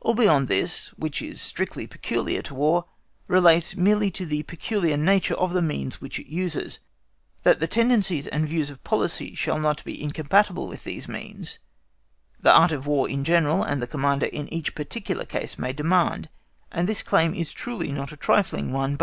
All beyond this which is strictly peculiar to War relates merely to the peculiar nature of the means which it uses. That the tendencies and views of policy shall not be incompatible with these means, the Art of War in general and the Commander in each particular case may demand, and this claim is truly not a trifling one.